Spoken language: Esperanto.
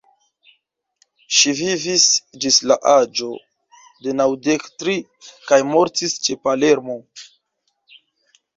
Ŝi vivis ĝis la aĝo de naŭdek tri, kaj mortis ĉe Palermo.